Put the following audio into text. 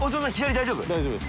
大丈夫です。